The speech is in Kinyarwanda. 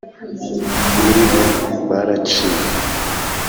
muri bo baraciwe.